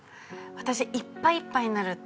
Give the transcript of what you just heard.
家でいっぱいいっぱいになってたら。